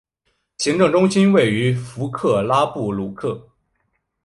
行政中心位于弗克拉布鲁克。